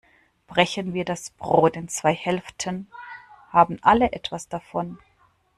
Brechen wir das Brot in zwei Hälften, haben alle etwas davon.